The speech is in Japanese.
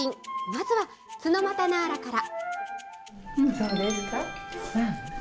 まずは、ツノマタナーラから。